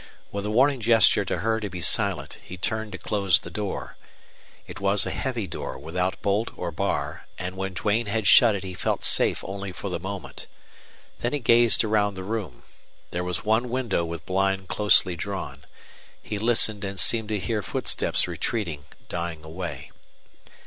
With a warning gesture to her to be silent he turned to close the door. It was a heavy door without bolt or bar, and when Duane had shut it he felt safe only for the moment. Then he gazed around the room. There was one window with blind closely drawn. He listened and seemed to hear footsteps retreating, dying away.